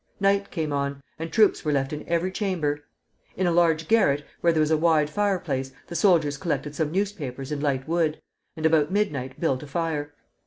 Night came on, and troops were left in every chamber. In a large garret, where there was a wide fireplace, the soldiers collected some newspapers and light wood, and about midnight built a fire.